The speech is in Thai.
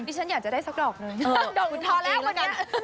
นี่ฉันอยากจะได้ซักดอกเลยด่งทอแล้วกัน